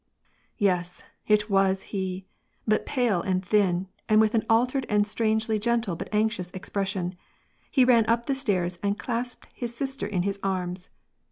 Yes, it was he ; but pale and thin, and with an altered and strangely gentle but anxious expression. He ran up the stairs and clasped his sister in his arms.